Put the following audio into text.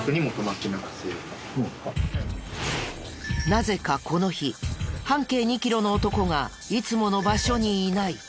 なぜかこの日半径２キロの男がいつもの場所にいない。